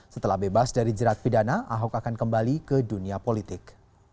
setelah bebas dari jerat pidana ahok akan kembali ke dunia politik